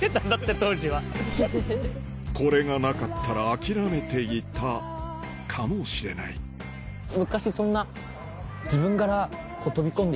これがなかったら諦めていたかもしれないあんまり。